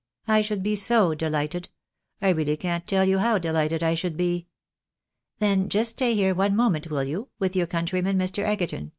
I should be so deUghted — I really can't tell you how delighted I should be." " Then just stay here one moment, will you, with your coun tryman, Mr. Egerton